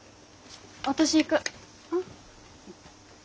私行く。